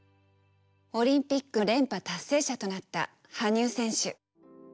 オリンピック連覇達成者となった羽生選手。